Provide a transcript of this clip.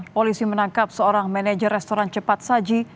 polisi menangkap seorang manajer restoran cepat saji